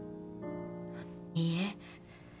いいえ。